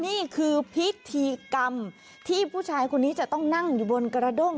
นี่คือพิธีกรรมที่ผู้ชายคนนี้จะต้องนั่งอยู่บนกระด้ง